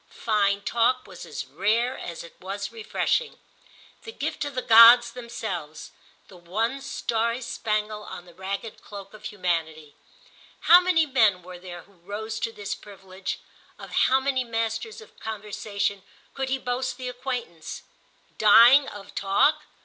Fine talk was as rare as it was refreshing—the gift of the gods themselves, the one starry spangle on the ragged cloak of humanity. How many men were there who rose to this privilege, of how many masters of conversation could he boast the acquaintance? Dying of talk?